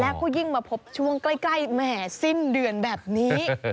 แล้วก็ยิ่งมาพบช่วงใกล้แหมสิ้นเดือนแบบนี้